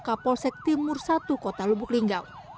kapolsek timur satu kota lubuk linggau